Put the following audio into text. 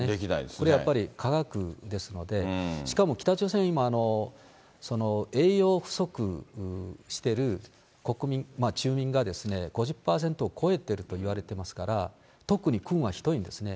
これ、科学ですので、しかも北朝鮮、今、栄養不足してる国民、住民が５０％を超えてると言われてますから、特に軍はひどいんですね。